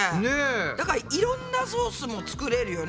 だからいろんなソースも作れるよね